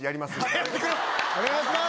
お願いします。